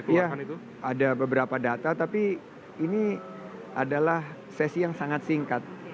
ya ada beberapa data tapi ini adalah sesi yang sangat singkat